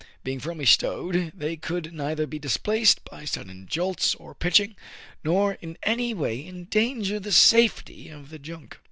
Being firmly stowed, they could neither be displaced by sudden jolts or pitching, nor in any way endanger the safety of the junk.